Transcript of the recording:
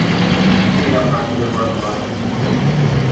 Sehr passende Wortwahl!